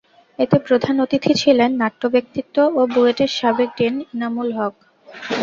এতে প্রধান অতিথি ছিলেন নাট্যব্যক্তিত ও বুয়েটের সাবেক ডিন ইনামুল হক।